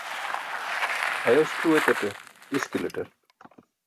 Ayaś tʰuu etaṭe iskilaṭar